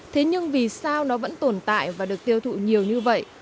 thế nhưng vì sao nó vẫn tồn tại và được tiêu thụ nhiều như vậy